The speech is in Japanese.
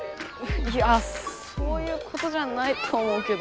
いやそういうことじゃないと思うけど。